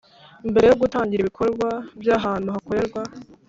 Mbere yo gutangira ibikorwa by ahantu hakorerwa